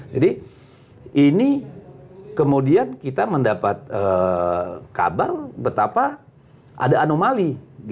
jadi ini kemudian kita mendapat kabar betapa ada anomali